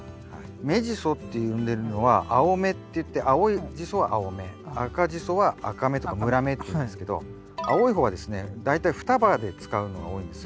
芽ジソって呼んでるのは青芽っていって青ジソは青芽赤ジソは赤芽とか紫芽っていうんですけど青い方はですね大体双葉で使うのが多いんですよ。